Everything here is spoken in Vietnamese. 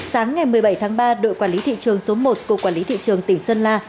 sáng ngày một mươi bảy tháng ba đội quản lý thị trường số một của quản lý thị trường tỉnh sơn la